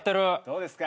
どうですか？